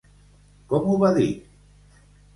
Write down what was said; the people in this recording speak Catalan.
Com ho va dir?